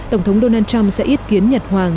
tổng thống donald trump sẽ ít kiến nhật hoàng